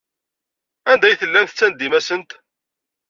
Anda ay tellam tettandim-asent?